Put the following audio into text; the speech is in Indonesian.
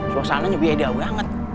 suasana nya beda banget